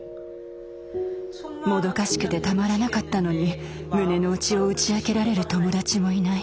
もどかしくてたまらなかったのに胸の内を打ち明けられる友達もいない。